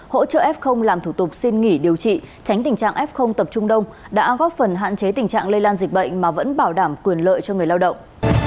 hỗ trợ f làm thủ tục xin nghỉ điều trị tránh tình trạng f tập trung đông đã góp phần hạn chế tình trạng lây lan dịch bệnh mà vẫn bảo đảm quyền lợi cho người lao động